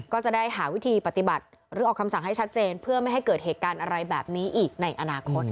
ก็จะได้หาวิธีปฏิบัติหรือออกคำสั่งให้ชัดเจนเพื่อไม่ให้เกิดเหตุการณ์อะไรแบบนี้อีกในอนาคต